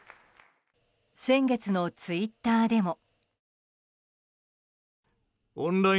先月のツイッターでも。